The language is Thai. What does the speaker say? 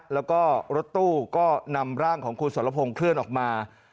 แล้วก็รถตู้ก็นำร่างของคุณสรพงศ์เคลื่อนออกมา